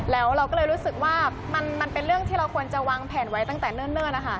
แล้วเราก็เลยรู้สึกว่ามันเป็นเรื่องที่เราควรจะวางแผนไว้ตั้งแต่เนิ่นนะคะ